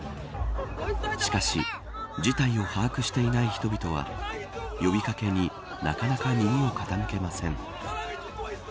しかし事態を把握していない人々は呼びかけになかなか耳を傾けません。